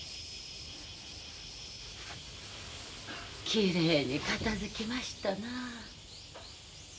きれいに片づきましたなあ。